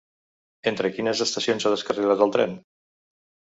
Entre quines estacions ha descarrilat el tren?